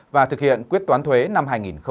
và thực hiện quyết toán thuế năm hai nghìn một mươi bảy